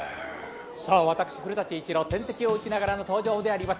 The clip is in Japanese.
さあ、私、古舘伊知郎、点滴を打ちながらの登場であります。